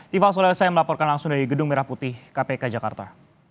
tifas solel saya melaporkan langsung dari gedung merah putih kpk jakarta